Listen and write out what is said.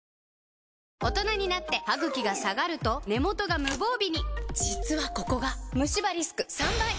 大人になってハグキが下がると根元が無防備に実はここがムシ歯リスク３倍！